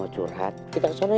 surat kita ke sana ya